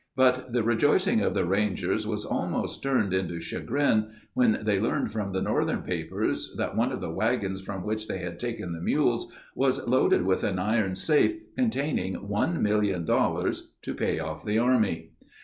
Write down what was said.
But the rejoicing of the Rangers was almost turned into chagrin when they learned from the Northern papers that one of the wagons from which they had taken the mules was loaded with an iron safe containing one million dollars to pay off the army.